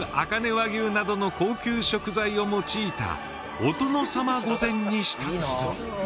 和牛などの高級食材を用いたお殿さま御膳に舌鼓うん！